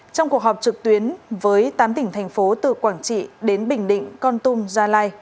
trong cuộc họp trực tuyến với tám tỉnh thành phố từ quảng trị đến bình định con tum gia lai